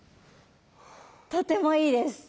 とてもいいです。